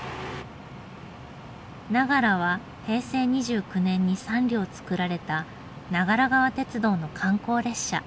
「ながら」は平成２９年に３両造られた長良川鉄道の観光列車。